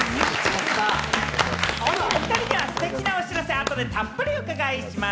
おふたりにはステキなお知らせを後で、たっぷりお伺いします。